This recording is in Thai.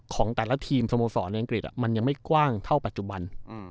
ของแต่ละทีมสโมสรในอังกฤษมันยังไม่กว้างเท่าปัจจุบัน